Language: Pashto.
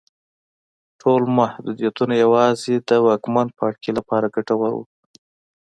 ټول محدودیتونه یوازې د واکمن پاړکي لپاره ګټور وو.